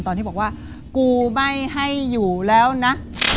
ตอนที่บอกว่ากูไม่ให้อยู่แล้วนะ